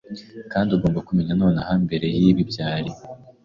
Kandi ugomba kumenya nonaha Mbere yibi byari